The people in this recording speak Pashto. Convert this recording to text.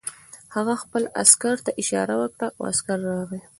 هغه خپل عسکر ته اشاره وکړه او عسکر راغی